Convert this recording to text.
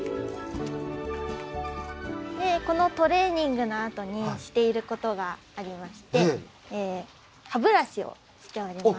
でこのトレーニングのあとにしていることがありまして歯ブラシをしております。